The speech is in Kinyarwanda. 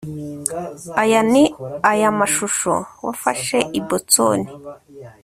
aya ni aya mashusho wafashe i boston